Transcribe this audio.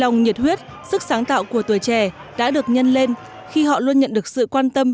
nhiệt huyết sức sáng tạo của tuổi trẻ đã được nhân lên khi họ luôn nhận được sự quan tâm